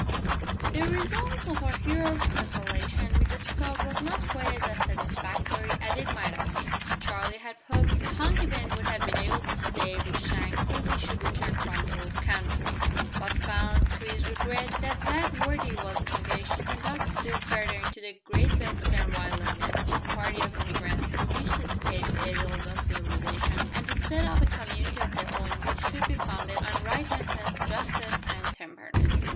The result of our hero's consultation with the scout was not quite as satisfactory as it might have been. Charlie had hoped that Hunky Ben would have been able to stay with Shank till he should return from the old country, but found, to his regret, that that worthy was engaged to conduct still further into the great western wilderness a party of emigrants who wished to escape the evils of civilisation, and to set up a community of their own which should be founded on righteousness, justice, and temperance.